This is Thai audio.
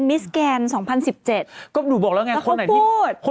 ถ้าสมมุตค์เรื่องงานโอเค